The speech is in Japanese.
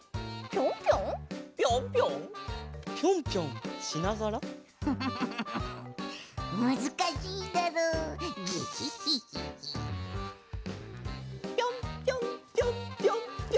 ぴょんぴょんぴょんぴょんぴょんぴょんぴょん！